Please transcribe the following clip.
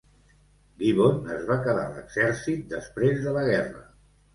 Gibbon es va quedar a l'exèrcit després de la guerra.